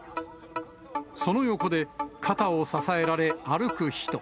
その横で、肩を支えられ、歩く人。